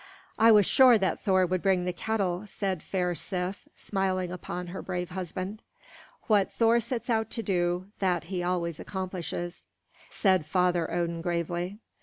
"I was sure that Thor would bring the kettle," said fair Sif, smiling upon her brave husband. "What Thor sets out to do, that he always accomplishes," said Father Odin gravely.